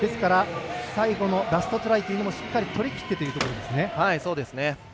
最後のラストトライもしっかり取りきってというところですね。